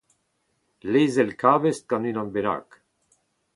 lezel kabestr gant unan bennak